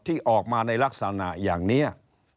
ที่ออกมาในลักษณะอย่างนี้